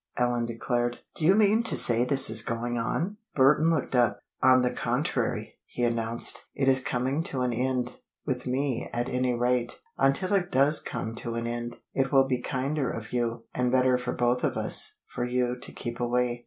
Ellen declared. "Do you mean to say this is going on?" Burton looked up. "On the contrary," he announced, "it is coming to an end with me, at any rate. Until it does come to an end, it will be kinder of you, and better for both of us, for you to keep away."